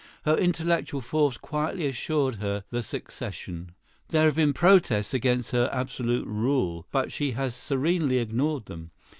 Her intellectual force quietly assured her the succession. There have been protests against her absolute rule, but she has serenely ignored them.